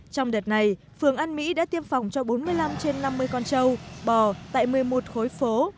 trong đợt này phường an mỹ đã tiêm phòng cho bốn mươi năm trên năm mươi con trâu bò tại một mươi một khối phố